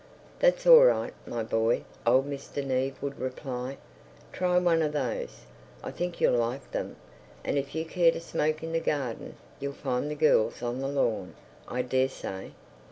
"That's all right, my boy," old Mr. Neave would reply. "Try one of those; I think you'll like them. And if you care to smoke in the garden, you'll find the girls on the lawn, I dare say."